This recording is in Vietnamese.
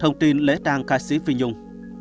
thông tin lễ trang ca sĩ phi nhung